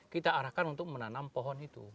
kita arahkan untuk menanam pohon itu